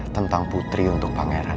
tentang putri untuk pangeran